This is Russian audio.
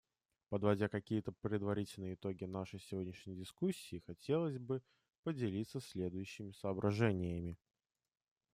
Подводя какие-то предварительные итоги нашей сегодняшней дискуссии, хотелось бы поделиться следующими соображениями.